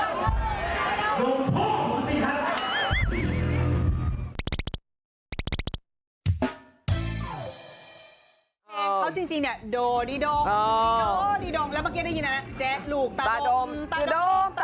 พวกมันจริงเนี่ยโดดี้โดง